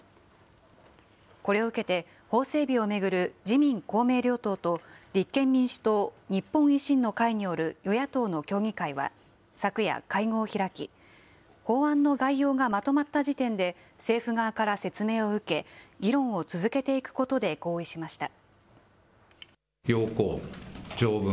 これを受けて、法整備を巡る自民、公明両党と立憲民主党、日本維新の会による与野党の協議会は昨夜、会合を開き、法案の概要がまとまった時点で、政府側から説明を受け、議論を続けていくことで合意しました。